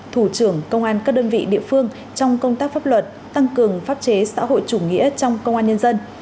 thủ trưởng công an các đơn vị địa phương trong công tác pháp luật tăng cường pháp chế xã hội chủ nghĩa trong công an nhân dân